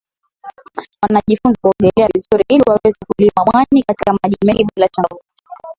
Wanajifunza kuogelea vizuri ili waweze kulima mwani katika maji mengi bila changamoto